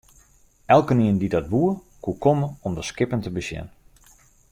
Elkenien dy't dat woe, koe komme om de skippen te besjen.